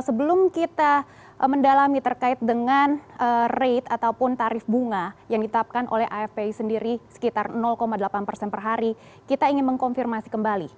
sebelum kita mendalami terkait dengan rate ataupun tarif bunga yang ditetapkan oleh afpi sendiri sekitar delapan persen per hari kita ingin mengkonfirmasi kembali